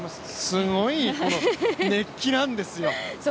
すごい熱気なんですよ。